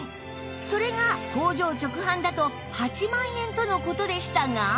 それが工場直販だと８万円との事でしたが